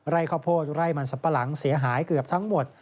ไร่ข้าวโพดไร่มันสับปะหลังเสียหายเกือบทั้งหมด